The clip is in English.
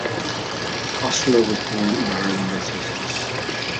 Costello was born in Ireland or Sussex.